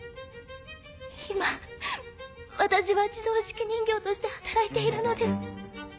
今私は自動手記人形として働いているのです。